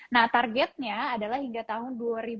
nah targetnya adalah hingga tahun